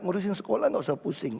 ngurusin sekolah nggak usah pusing